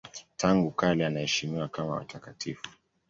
Tangu kale anaheshimiwa kama watakatifu.